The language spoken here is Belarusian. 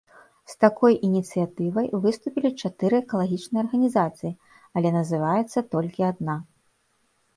З такой ініцыятывай выступілі чатыры экалагічныя арганізацыі, але называецца толькі адна.